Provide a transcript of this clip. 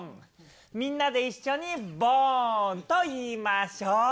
みんなで一緒にボーンと言いましょう。